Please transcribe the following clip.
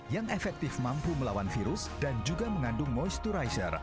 yang efektif mampu melawan virus dan juga mengandung moisturizer